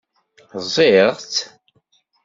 Rẓiɣ-tt?